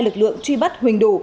lực lượng truy bắt huỳnh đủ